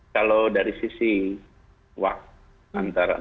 kalau dari sisi wak antara enam